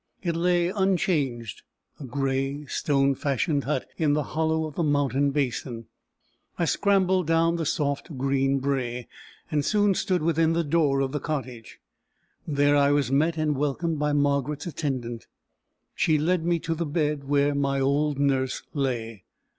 It lay unchanged, a grey, stone fashioned hut, in the hollow of the mountain basin. I scrambled down the soft green brae, and soon stood within the door of the cottage. There I was met and welcomed by Margaret's attendant. She led me to the bed where my old nurse lay.